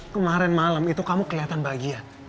kemaren malam itu kamu keliatan bahagia